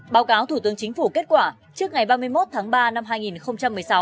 báo cáo thủ tướng chính phủ kết quả trước ngày ba mươi một tháng ba năm hai nghìn một mươi sáu